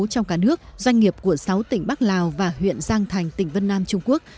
trong cả nước doanh nghiệp của sáu tỉnh bắc lào và huyện giang thành tỉnh vân nam trung quốc